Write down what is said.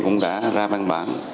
cũng đã ra băng bảng